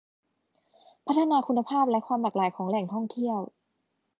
พัฒนาคุณภาพและความหลากหลายของแหล่งท่องเที่ยว